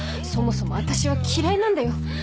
そもそも私は嫌いなんだよ。